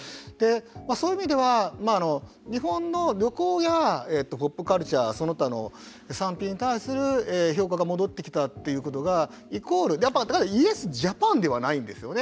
そういう意味では日本の旅行やポップカルチャーその他の産品に対する評価が戻ってきたということがイコールだからイエスジャパンではないんですよね。